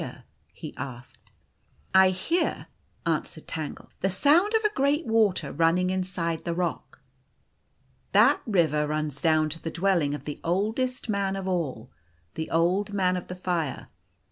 r he asked. " I hear," answered Tangle, " the sound of a great water running inside the rock." " That river runs down to the dwelling of the oldest man of all the Old Man of the Fire.